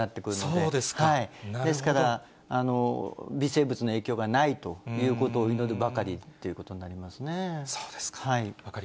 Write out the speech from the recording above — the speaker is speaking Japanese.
ですから微生物の影響がないということを祈るばかりということにそうですか。